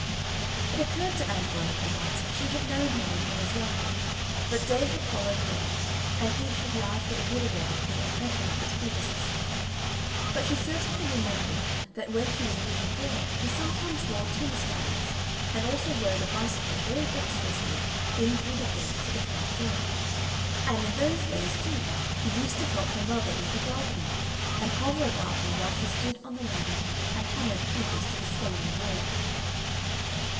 It occurred to Ann Veronica once that she had known him when he was younger, but day had followed day, and each had largely obliterated the impression of its predecessor. But she certainly remembered that when she was a little girl he sometimes wore tennis flannels, and also rode a bicycle very dexterously in through the gates to the front door. And in those days, too, he used to help her mother with her gardening, and hover about her while she stood on the ladder and hammered creepers to the scullery wall.